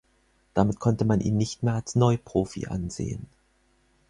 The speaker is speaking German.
Damit konnte man ihn nicht mehr als Neuprofi ansehen.